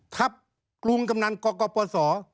ทัพกรุงกำหนังกกปศ